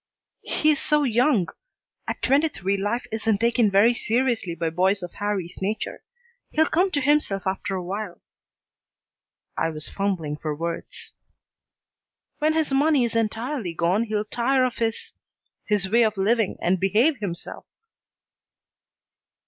"He is so young. At twenty three life isn't taken very seriously by boys of Harrie's nature. He'll come to himself after a while." I was fumbling for words. "When his money is entirely gone he'll tire of his his way of living and behave himself."